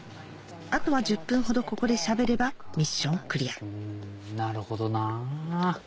あとは１０分ほどここでしゃべればミッションクリアなるほどなぁ。